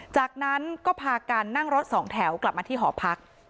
จากนั้นก็พากันนั่งรถสองแถวกลับมาที่หอพัก